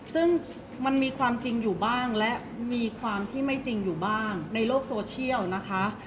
ซึ่งมันมีความจริงอยู่บ้างและมีความที่ไม่จริงอยู่บ้างในโลกโซเชียลนะคะ